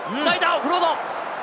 オフロード！